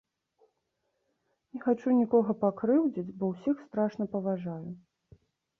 Не хачу нікога пакрыўдзіць, бо ўсіх страшна паважаю!